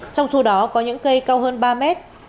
trong số đó có những cây cao hơn ba mét